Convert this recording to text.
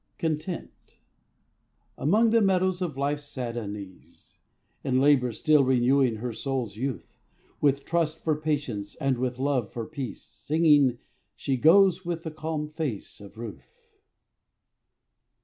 CONTENT. Among the meadows of Life's sad unease In labor still renewing her soul's youth With trust, for patience, and with love, for peace, Singing she goes with the calm face of Ruth.